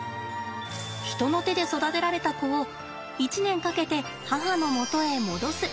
人の手で育てられた子を１年かけて母の元へ戻す。